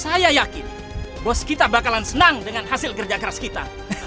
saya yakin bos kita bakalan senang dengan hasil kerja keras kita